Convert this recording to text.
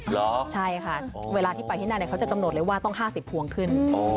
หรอใช่ค่ะเวลาที่ไปที่นั่นเนี่ยเขาจะกำหนดเลยว่าต้องห้าสิบพวงขึ้นอ๋อ